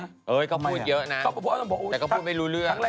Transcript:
แต่เขาพูดไม่รู้เรื่อง